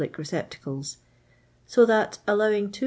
c ri'ceptacli s, so that — :tllowing *JO